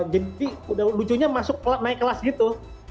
jadi lucunya naik kelas gitu